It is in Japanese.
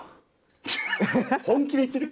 本気で言ってる？